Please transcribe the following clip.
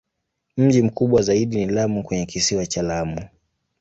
Mji mkubwa zaidi ni Lamu kwenye Kisiwa cha Lamu.